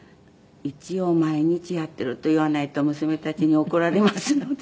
一応毎日やってると言わないと娘たちに怒られますので。